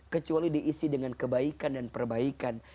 kecuali diisi dengan kebaikan dan perbaikan